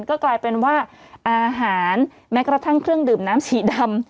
ก็กลายเป็นว่าอาหารแม้กระทั่งเครื่องดื่มน้ำสีดำ